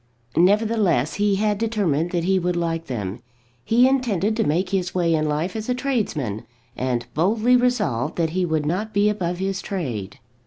Nevertheless he had determined that he would like them. He intended to make his way in life as a tradesman, and boldly resolved that he would not be above his trade.